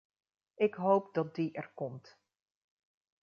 Ik hoop dat die er komt.